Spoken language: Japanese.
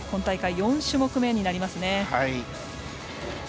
４種目めになりますね。